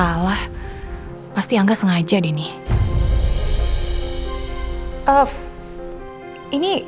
salah pasti yang gak sengaja denny